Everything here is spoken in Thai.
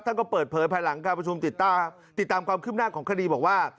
ก็เปิดเผยภายหลังการประชุมติดตามติดตามความคืบหน้าของคดีบอกว่า